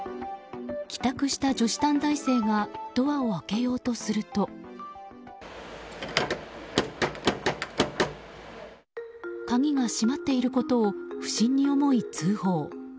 帰宅した女子短大生がドアを開けようとすると鍵が閉まっていることを不審に思い、通報。